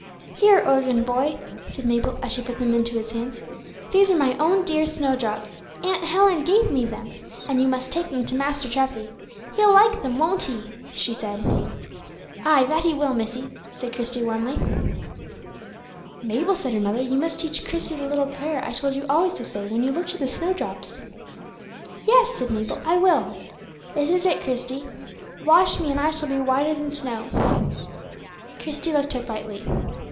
"Here, organ boy," said Mabel, as she put them into his hands, "these are my own dear snowdrops; Aunt Helen gave me them, and you must take them to Master Treffy, he'll like them, won't he?" she said. "Ay! that he will, missie," said Christie, warmly. "Mabel," said her mother, "you must teach Christie the little prayer I told you always to say when you looked at the snowdrops." "Yes," said Mabel, "I will. This is it, Christie: 'Wash me, and I shall be whiter than snow.'" Christie looked up brightly.